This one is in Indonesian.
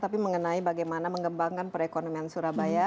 tapi mengenai bagaimana mengembangkan perekonomian surabaya